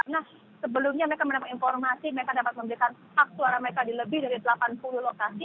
nah sebelumnya mereka mendapat informasi mereka dapat memberikan hak suara mereka di lebih dari delapan puluh lokasi